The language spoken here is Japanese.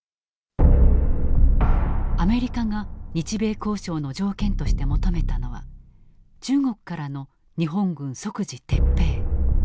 アメリカが日米交渉の条件として求めたのは中国からの日本軍即時撤兵。